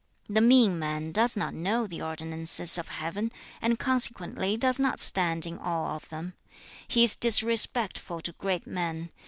2. 'The mean man does not know the ordinances of Heaven, and consequently does not stand in awe of them. He is disrespectful to great men.